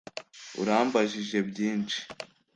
Urambajije byinshi